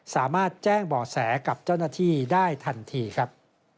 สามารถแจ้งบ่อแสกับเจ้าหน้าที่ได้ทันทีครับ